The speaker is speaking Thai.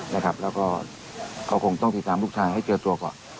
แล้วก็เขาคงต้องติดตามลูกชายให้เจอตัวก่อน